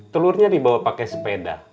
telurnya dibawa pakai sepeda